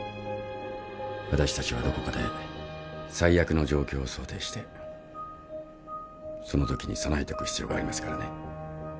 私たちはどこかで最悪の状況を想定してそのときに備えておく必要がありますからね。